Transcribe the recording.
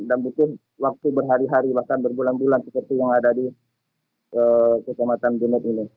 dan butuh waktu berhari hari bahkan berbulan bulan seperti yang ada di keselamatan dunia ini